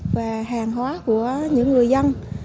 và hàng hóa của những người dân